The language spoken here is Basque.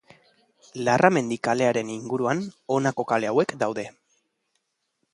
Larramendi kalearen inguruan honako kale hauek daude.